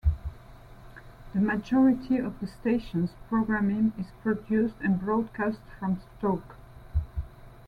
The majority of the station's programming is produced and broadcast from Stoke.